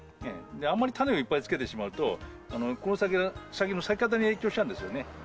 あまり種をいっぱいつけてしまうと、この先の、先の咲き方に影響してしまうんですよね。